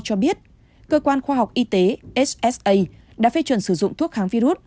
cho biết cơ quan khoa học y tế ssa đã phê chuẩn sử dụng thuốc kháng virus